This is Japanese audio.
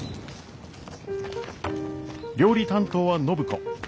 料理担当は暢子。